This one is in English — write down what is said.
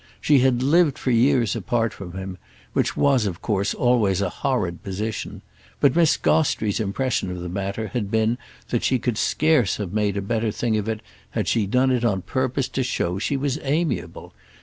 She had lived for years apart from him—which was of course always a horrid position; but Miss Gostrey's impression of the matter had been that she could scarce have made a better thing of it had she done it on purpose to show she was amiable.